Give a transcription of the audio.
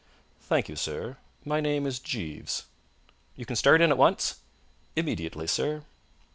"Thank you, sir. My name is Jeeves." "You can start in at once?" "Immediately, sir."